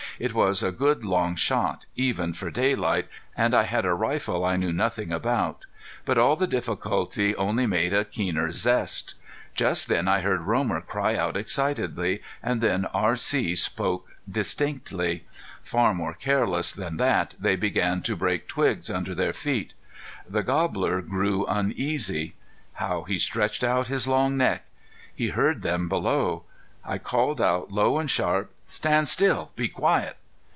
It was a good long shot even for daylight, and I had a rifle I knew nothing about. But all the difficulty only made a keener zest. Just then I heard Romer cry out excitedly, and then R.C. spoke distinctly. Far more careless than that they began to break twigs under their feet. The gobbler grew uneasy. How he stretched out his long neck! He heard them below. I called out low and sharp: "Stand still! Be quiet!"